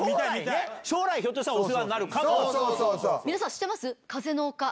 将来ひょっとしたらお世話に皆さん、知ってます？